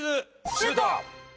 シュート！